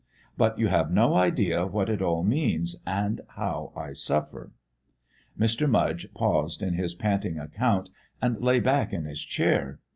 But you have no idea what it all means, and how I suffer." Mr. Mudge paused in his panting account and lay back in his chair.